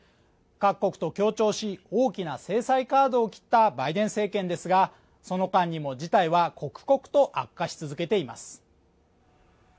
各国と協調し大きな制裁カードを切ったバイデン政権ですがその間にも事態は刻々と悪化し続けています